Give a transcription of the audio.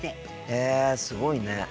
へえすごいね。